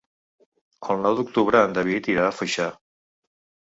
El nou d'octubre en David irà a Foixà.